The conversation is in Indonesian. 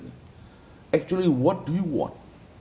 sebenarnya apa yang anda inginkan